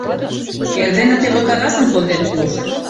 — Эрдене теве кагазым конден пуышт.